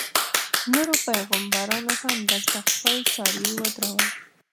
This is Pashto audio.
نورو پیغمبرانو هم دلته خپل څاروي ودرول.